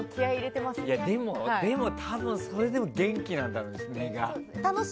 でも、多分それでも元気なんだろうね、素が。